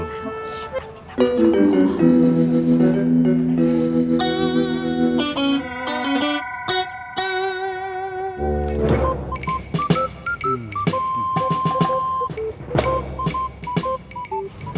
oh hitam hitam hitam